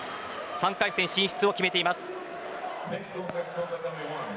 ３回戦進出を決めています。